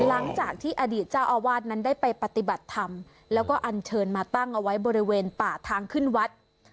หลังจากที่อดีตเจ้าอาวาสนั้นได้ไปปฏิบัติธรรมแล้วก็อันเชิญมาตั้งเอาไว้บริเวณป่าทางขึ้นวัด